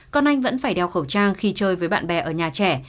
con anh vẫn phải đeo khẩu trang khi chơi với bạn bè ở nhà trẻ